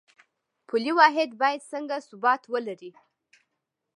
پولي واحد باید څنګه ثبات ولري؟